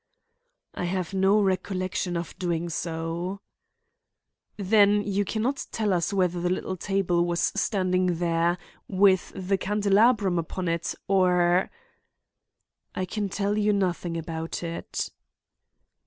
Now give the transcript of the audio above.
"I have no recollection of doing so" "Then you can not tell us whether the little table was standing there, with the candelabrum upon it or—" "I can tell you nothing about it."